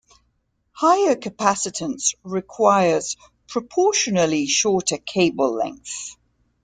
Higher capacitance requires proportionally shorter cable length.